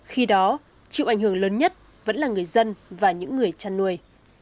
khi đó chịu ảnh hưởng lớn nhất vẫn là người dân và những người chăn nuôi